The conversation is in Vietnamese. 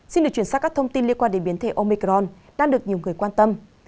xin được chuyển sang các thông tin liên quan đến biến thể omicron đang được nhiều người quan tâm